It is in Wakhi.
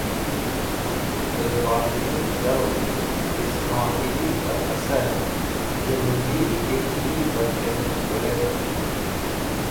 De Fatimi Dawr Ismoilive Asar Junubi Italye Batken Werkhetu